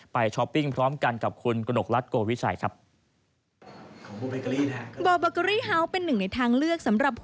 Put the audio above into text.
ช้อปปิ้งพร้อมกันกับคุณกระหนกรัฐโกวิชัยครับ